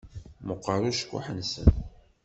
Meqqeṛ ucekkuḥ-nsen.